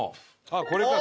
これか。